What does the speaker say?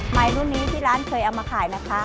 รุ่นนี้ที่ร้านเคยเอามาขายไหมคะ